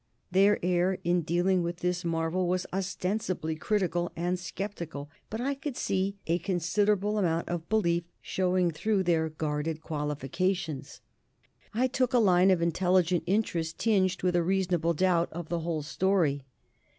Their air in dealing with this marvel was ostensibly critical and sceptical, but I could see a considerable amount of belief showing through their guarded qualifications. I took a line of intelligent interest, tinged with a reasonable doubt of the whole story.